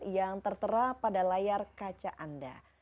yang tertera pada layar kaca anda